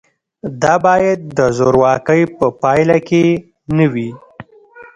دا باید د زورواکۍ په پایله کې نه وي.